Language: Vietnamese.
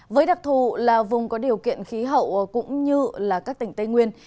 với đặc thù là vùng có điều kiện khí hậu cũng như các tỉnh tây nguyên